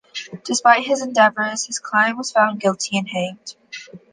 Despite his endeavours his client was found guilty and hanged.